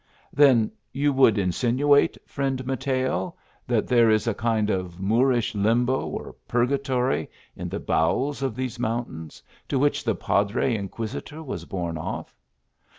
" Then you would insinuate, friend Mateo, that there is a kind of Moorish limbo, or purgatory, in the bowels of these mountains ; to which the padre inquisitor was borne off."